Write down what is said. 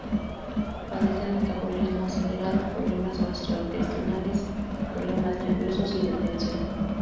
Padecen metabolismo acelerado, problemas gastrointestinales, problemas nerviosos y de tensión.